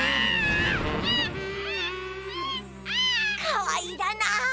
かわいいだな。